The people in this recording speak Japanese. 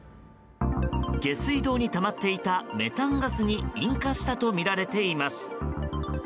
下水道にたまっていたメタンガスに引火したとみられています。